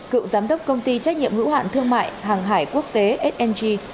cựu giám đốc công ty trách nhiệm hữu hạn thương mại hàng hải quốc tế sng